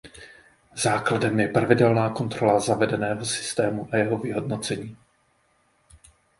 Základem je pravidelná kontrola zavedeného systému a jeho vyhodnocení.